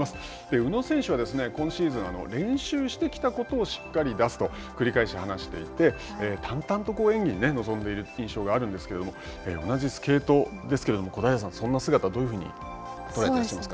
宇野選手は今シーズン練習してきたことをしっかり出すと繰り返し話していて淡々と演技に臨んでいる印象があるんですけれども同じスケートですけれども小平さんそんな姿、どんなふうに捉えてらっしゃいますか。